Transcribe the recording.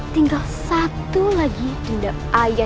tinggal satu lagi dendam ayah